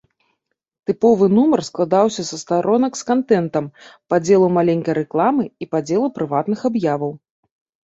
Тыповы нумар складаўся са старонак з кантэнтам, падзелу маленькай рэкламы і падзелу прыватных аб'яваў.